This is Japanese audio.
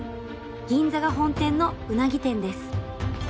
銀座が本店の鰻店です。